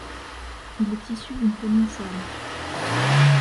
Il est issu d'une famille serbe.